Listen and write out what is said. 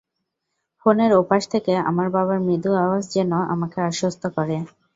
ফোনের ওপাশ থেকে আমার বাবার মৃদু আওয়াজ যেন আমাকে আশ্বস্ত করে।